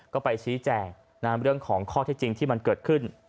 ก็ไปชี้แจงเรื่องของข้อที่จริงที่มันเกิดขึ้น